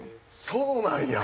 そうなんや！